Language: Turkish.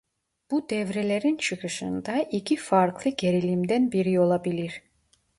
Bu devrelerin çıkışında iki farklı gerilimden biri olabilir.